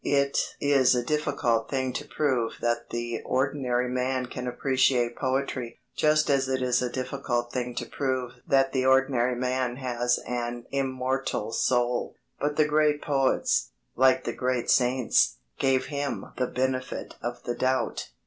It is a difficult thing to prove that the ordinary man can appreciate poetry, just as it is a difficult thing to prove that the ordinary man has an immortal soul. But the great poets, like the great saints, gave him the benefit of the doubt.